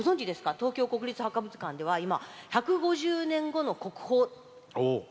東京国立博物館では１５０年後の国宝。